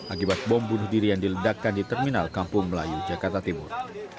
akibat bom bunuh diri yang diledakkan di terminal kampung melayu jakarta timur